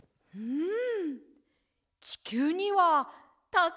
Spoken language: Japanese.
うん。